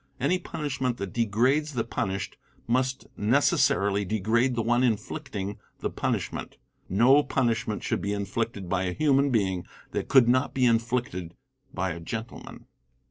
Any punishment that degrades the punished, must necessarily degrade the one inflicting the punishment. No punishment should be inflicted by a human being that could not be inflicted by a gentleman.